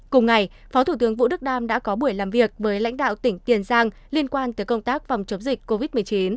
cùng ngày phó thủ tướng vũ đức đam đã có buổi làm việc với lãnh đạo tỉnh tiền giang liên quan tới công tác phòng chống dịch covid một mươi chín